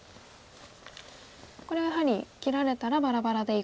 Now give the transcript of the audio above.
これはやはり切られたらバラバラでいこうと。